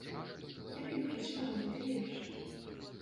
Як ён прачытаў гэты верш?